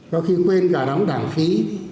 có khi quên cả đóng đảng phí